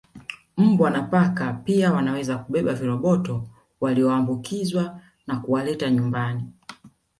Mbwa na paka pia wanaweza kubeba viroboto walioambukizwa na kuwaleta nyumbani